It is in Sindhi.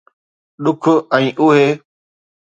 ڏک ۽ اهي